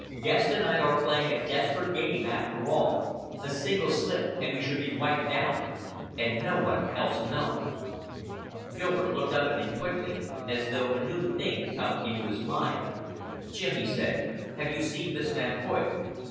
Guest and I are playing a desperate game after all a single slip and we should be wiped out. And no one else knows." Gilbert looked up at me quickly, as though a new thing had come into his mind. "Jim," he said, "have you seen Miss Van Hoyt?"